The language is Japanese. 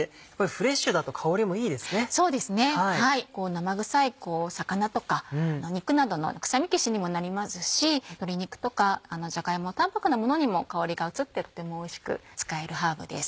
生臭い魚とか肉などの臭み消しにもなりますし鶏肉とかじゃがいも淡泊なものにも香りが移ってとてもおいしく使えるハーブです。